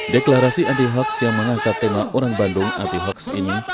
deklarasi anti hoax yang mengangkat tema orang bandung anti hoax ini